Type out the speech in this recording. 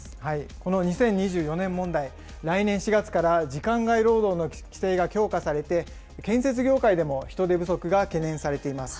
この２０２４年問題、来年４月から時間外労働の規制が強化されて、建設業界でも人手不足が懸念されています。